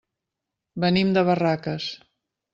Venim de Barraques.